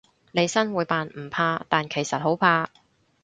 利申會扮唔怕，但其實好怕